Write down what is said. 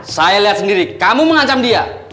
saya lihat sendiri kamu mengancam dia